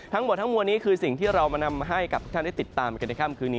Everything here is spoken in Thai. ทั้งหมดทั้งมวลนี้คือสิ่งที่เรามานำให้กับทุกท่านได้ติดตามกันในค่ำคืนนี้